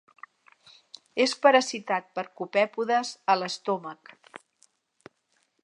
És parasitat per copèpodes a l'estómac.